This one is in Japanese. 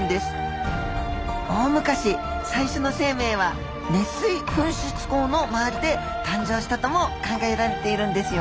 大昔最初の生命は熱水噴出孔の周りで誕生したとも考えられているんですよ。